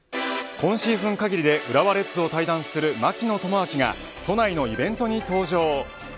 今シーズン限りで浦和レッズを退団する槙野智章が都内のイベントに登場。